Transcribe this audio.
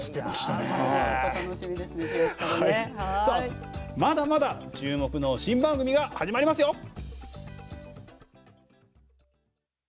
まだまだ注目の新番組が始まりますよ。